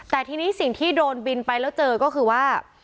แต่ทีนี้สิ่งที่โดนบินไปแล้วเจอก็คือว่า